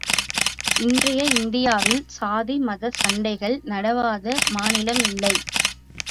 இன்றைய இந்தியாவில் சாதி, மதச் சண்டைகள் நடவாத மாநிலம் இல்லை.